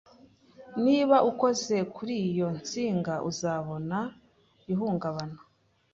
Niba ukoze kuri iyo nsinga, uzabona ihungabana.